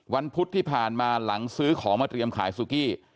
พุธที่ผ่านมาหลังซื้อของมาเตรียมขายสุกี้